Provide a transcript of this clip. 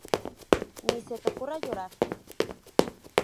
Ni se te ocurra llorar`.